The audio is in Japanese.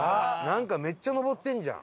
なんかめっちゃ上ってんじゃん。